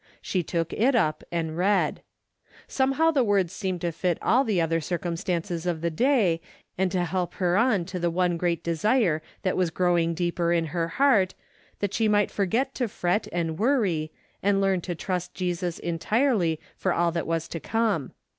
She took it up and read. Some how the words seemed to fit all the other cir cumstances of the day, and to help her on to the one great desire that was growing deeper in her heart, that she might forget to fret and worry and learn to trust Jesus entirely for all that was to come.